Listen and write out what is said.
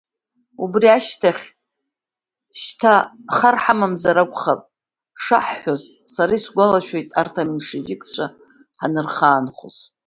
Убри ашьҭахь шьҭа хар ҳамамзар акәхап шаҳҳәоз, сара исгәалашәоит арҭ аменшевикцәа ҳанырхаанхоз.